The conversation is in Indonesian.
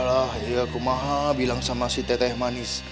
alah iya kumaha bilang sama si teteh manis